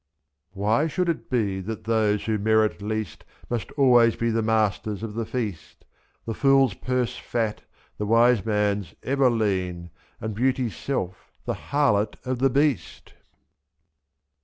79 Why should it be that those who merit least Must always be the masters of the feast, /^4. The fool's purse fat, the wise man's ever lean, And Beauty's self the harlot of the Beast